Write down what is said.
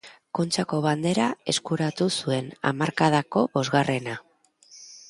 Kontxako Bandera eskuratu zuen, hamarkadako bosgarrena.